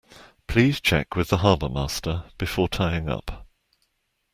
Please check with the harbourmaster before tying up